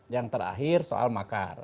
yang terakhir soal makar